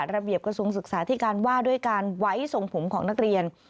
กระทรวงศึกษาที่การว่าด้วยการไว้ทรงผมของนักเรียน